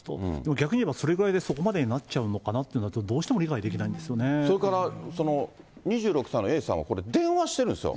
逆に言えば、それぐらいでそこまでになっちゃうのかなっていうのが、どうしても理解できないんでそれから、２６歳のＡさんはここで電話しているんですよ。